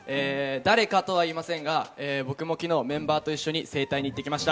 誰かとは言いませんが、僕も昨日、メンバーと一緒に整体に行ってきました。